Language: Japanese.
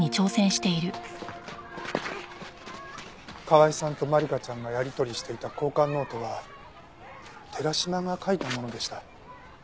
川井さんと万理華ちゃんがやりとりしていた交換ノートは寺島が書いたものでした。